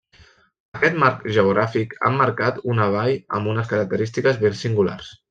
Aquest marc geogràfic ha emmarcat una vall amb unes característiques ben singulars.